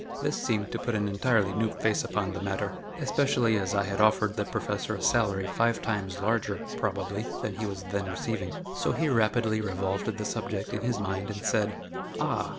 This seemed to put an entirely new face upon the matter, especially as I had offered the Professor a salary five times larger, probably, than he was then receiving. So he rapidly revolved the subject in his mind and said: "Ah!